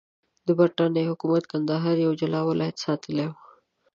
د برټانیې حکومت کندهار یو جلا ولایت ساتلی وو.